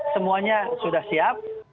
semuanya sudah siap